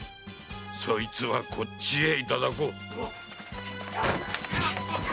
そいつはこっちへいただこう。